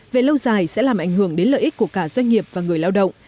về lâu dài sẽ làm ảnh hưởng đến lợi ích của cả doanh nghiệp và người lao động